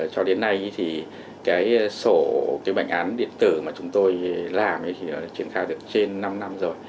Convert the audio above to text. cho đến nay thì cái sổ bệnh án điện tử mà chúng tôi làm thì chuyển thao được trên năm năm rồi